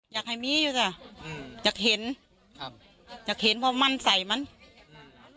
อยากให้มีอยู่จ้ะอืมอยากเห็นครับอยากเห็นเพราะมั่นใส่มันอืม